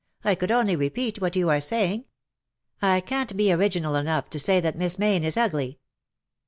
" I could only repeat what you are saying. I can^t be original enough to say that Miss Mayne is ugly."